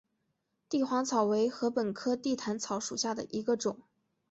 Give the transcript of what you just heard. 帝皇草为禾本科地毯草属下的一个种。